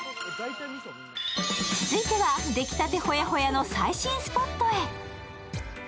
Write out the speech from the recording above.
続いては、出来たてほやほやの最新スポットへ。